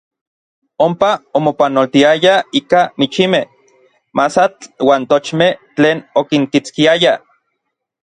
Onpa omopanoltiayaj ika michimej, masatl uan tochmej tlen okinkitskiayaj.